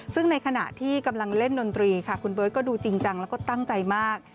ซึ่งในขณะที่กำลังเล่นดนตรีค่ะคุณเบิร์ตก็ดูจริงจังแล้วก็ตั้งใจมาก